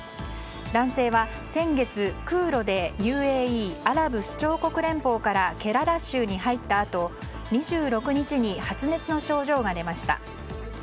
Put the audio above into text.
男性は先月、空路でＵＡＥ・アラブ首長国連邦からケララ州に入ったあと２６日に発熱の症状が出ました。